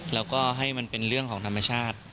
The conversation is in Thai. แล้วก็ให้มันเป็นเรื่องของธรรมชาติ